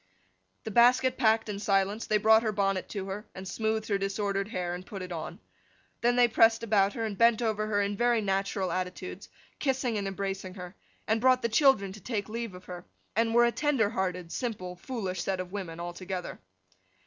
The basket packed in silence, they brought her bonnet to her, and smoothed her disordered hair, and put it on. Then they pressed about her, and bent over her in very natural attitudes, kissing and embracing her: and brought the children to take leave of her; and were a tender hearted, simple, foolish set of women altogether.